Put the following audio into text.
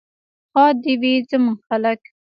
ښاد دې وي زموږ خلک.